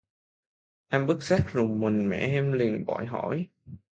Em bất giác rùng mình mẹ em liền vội hỏi